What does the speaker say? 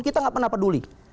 kita nggak pernah peduli